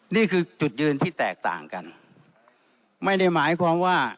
นี่คือจุดยืนที่แตกต่างกันไม่ได้หมายความว่า